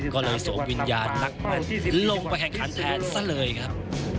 ก็เลยส่งวิญญาณนักลงไปแข่งขันแทนซะเลยครับ